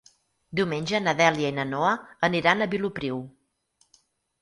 Diumenge na Dèlia i na Noa aniran a Vilopriu.